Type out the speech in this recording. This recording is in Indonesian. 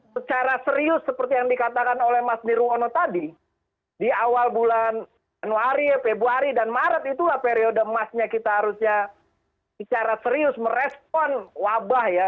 secara serius seperti yang dikatakan oleh mas nirwono tadi di awal bulan januari februari dan maret itulah periode emasnya kita harusnya secara serius merespon wabah ya